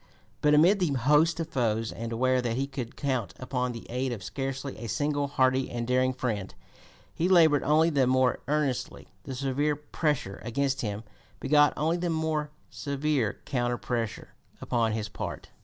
But amid the host of foes, and aware that he could count upon the aid of scarcely a single hearty and daring friend, he labored only the more earnestly. The severe pressure against him begat only the more severe counter pressure upon his part.